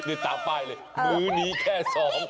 นี่ตามป้ายเลยมื้อนี้แค่ซ้อม